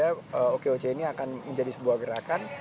jadi okoc ini akan menjadi sebuah gerakan